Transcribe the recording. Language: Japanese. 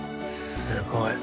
すごい。